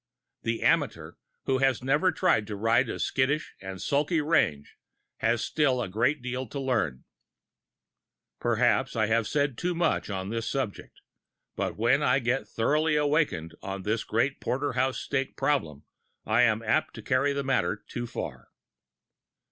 The amateur who has never tried to ride a skittish and sulky range has still a great deal to learn. Perhaps I have said too much on this subject, but when I get thoroughly awakened on this great porterhouse steak problem I am apt to carry the matter too far.